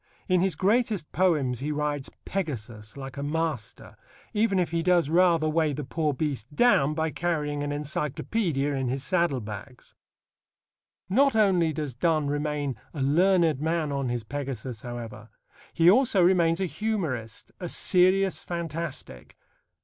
In his greatest poems he rides Pegasus like a master, even if he does rather weigh the poor beast down by carrying an encyclopædia in his saddle bags. Not only does Donne remain a learned man on his Pegasus, however: he also remains a humorist, a serious fantastic.